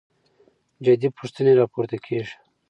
جدي پوښتنې راپورته کېږي.